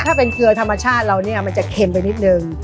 ถ้าเป็นเกลือธรรมชาติเราเนี่ยมันจะเค็มไปนิดนึง